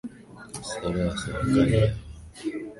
Sera ya Serikali ya awamu ya nane ya kukuza Uchumi kupitia Bahari